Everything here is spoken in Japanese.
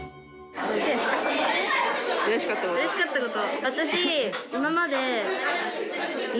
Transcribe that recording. うれしかったこと。